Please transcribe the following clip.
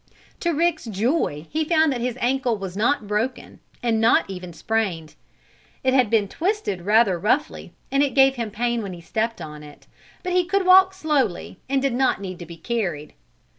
To Rick's joy he found that his ankle was not broken, and not even sprained. It had been twisted rather roughly, and it gave him pain when he stepped on it, but he could walk slowly, and did not need to be carried.